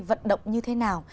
vận động như thế nào